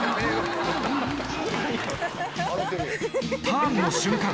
ターンの瞬間